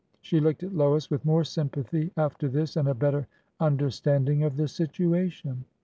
She looked at Lois with more sympathy after this, and a better understanding of the situation.